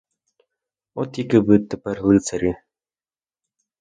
От які ви тепер лицарі!